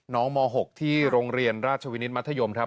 ม๖ที่โรงเรียนราชวินิตมัธยมครับ